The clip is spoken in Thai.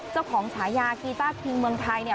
เจ้าของชายากีต้าทีมเมืองไทยเนี่ย